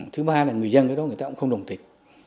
thứ ba là người dân ở đó người ta cũng không đồng tình